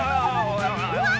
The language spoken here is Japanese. うわ！